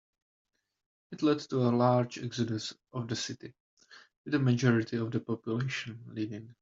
It led to a large exodus of the city, with a majority of the population leaving.